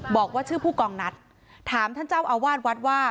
บอกว่าชื่อผู้กองนัดถามท่านเจ้าอาวาสวัดว่า